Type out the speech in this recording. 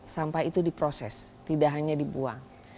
sampah itu diproses tidak hanya dibuang